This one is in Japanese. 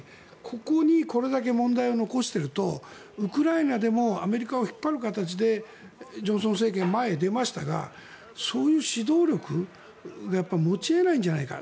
ここにこれだけ問題を残しているとウクライナでもアメリカを引っ張る形でジョンソン政権は前に出ましたがそういう指導力が持ち得ないんじゃないか。